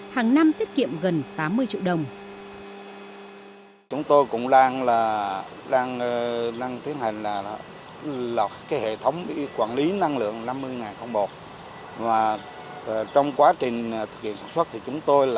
hàng năm tiết kiệm gần tám mươi triệu đồng